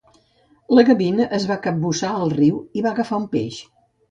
La gavina es va capbussar al riu i va agafar un peix.